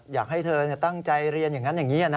อยากให้เธอตั้งใจเรียนอย่างนั้นอย่างนี้นะ